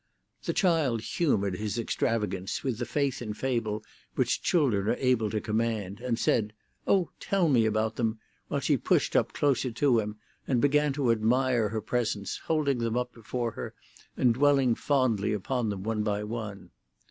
The child humoured his extravagance with the faith in fable which children are able to command, and said, "Oh, tell me about them!" while she pushed up closer to him, and began to admire her presents, holding them up before her, and dwelling fondly upon them one by one.